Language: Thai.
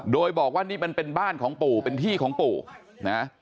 โดยบอกว่านี่มันเป็นบ้านของปู่เป็นที่ของปู่นะ